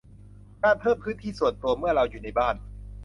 การเพิ่มพื้นที่ส่วนตัวเมื่อเราอยู่ในบ้าน